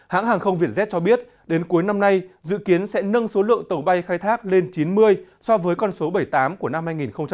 hãng hàng không vietjet cho biết đến cuối năm nay dự kiến sẽ nâng số lượng tàu bay khai thác lên chín mươi so với con số bảy mươi tám của năm hai nghìn một mươi chín